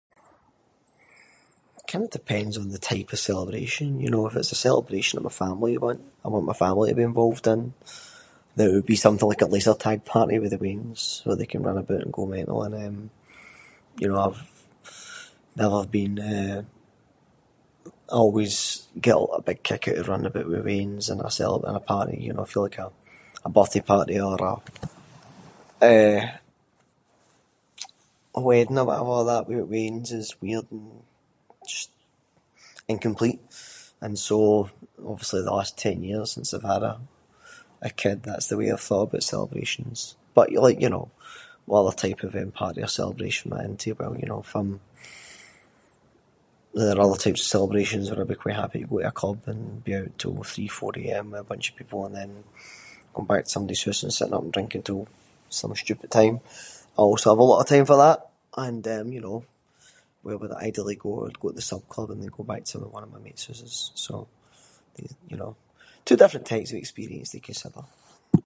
Kind of depends on the type of celebration. You know if it’s a celebration of my family- you want- I want my family to be involved in, then it would be something like a laser-tag party with the weans, where they can run about and go mental. And eh, you know I’ve never been, eh- I always get a lot o- big kick out of running about with weans and mysel at a party, you know, I feel like a- a birthday party or a, eh, wedding or whatever, that without weans is just weird and incomplete. And so, obviously the last ten years, since I’ve had a- a kid, that’s the way I’ve thought about celebrations. But you like- you know- what other type of eh party or celebration am I into? Well you know, if I’m- there are other types of celebrations. I’d be quite happy to go to a club and be out until three, four AM with a bunch of people and then going back to somebody’s hoose and sitting up drinking until some stupid time. I also have a lot of time for that. And, eh, you know, where would I ideally go? I'd go to the Sub Club, and then go back to one of my mates’ hooses. So, these- you know- two different types of experiences to consider.